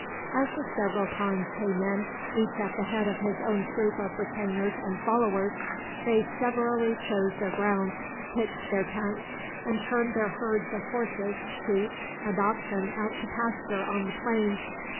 As the several khans came in, each at the head of his own troop of retainers and followers, they severally chose their ground, pitched their tents, and turned their herds of horses, sheep, and oxen out to pasture on the plains.